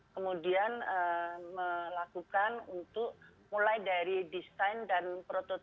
kemudian melakukan untuk mulai dari desain dan prototipe